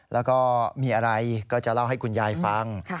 แล้วก็มีอะไรก็จะเล่าให้คุณยายฟัง